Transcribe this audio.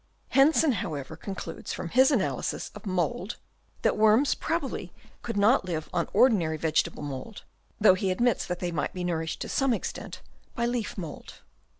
Hensen, how ever, concludes from his analyses of mould Chap. II. DEPTH OF THEIR BURROWS. Ill that worms probably could not live on ordinary vegetable mould, though he admits that they might be nourished to some extent by leaf mould.